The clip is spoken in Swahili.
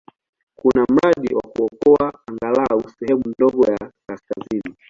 Kuna mradi wa kuokoa angalau sehemu ndogo ya kaskazini.